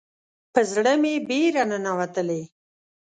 په زړه مې بیره ننوتلې